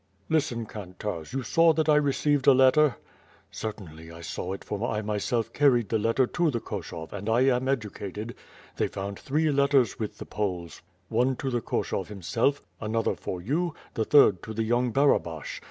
"Listen, kantarz, you saw that I received a letter?" "Certainly I saw it, for I myself caried the letter to the Koshov, and I am educated. They found three letters with the Poles, one to the Koshov himself, another for you, the third to the young Barabash.